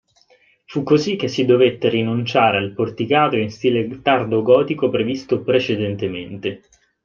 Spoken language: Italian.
Fu così che si dovette rinunciare al porticato in stile tardo gotico previsto precedentemente.